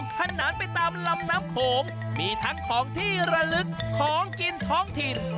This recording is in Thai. ขนานไปตามลำน้ำโขงมีทั้งของที่ระลึกของกินท้องถิ่น